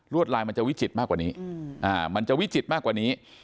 ลายมันจะวิจิตรมากกว่านี้มันจะวิจิตรมากกว่านี้